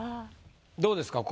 どうですか？